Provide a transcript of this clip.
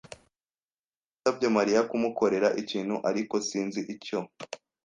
karasira yasabye Mariya kumukorera ikintu, ariko sinzi icyo.